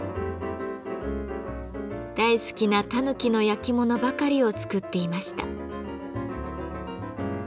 大好きなたぬきの焼き物ばかりを作っていました。